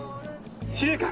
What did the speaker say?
「司令官！」。